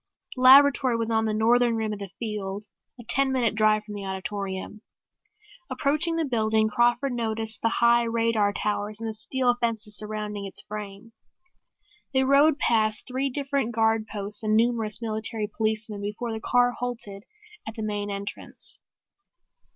The laboratory was on the Northern rim of the field, a ten minute drive from the auditorium. Approaching the building, Crawford noticed the high radar towers and the steel fences surrounding its frame. They rode past three different guard posts and numerous military policemen before the car halted at the main entrance.